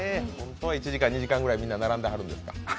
１時間２時間ぐらいみんな並んではるんですか。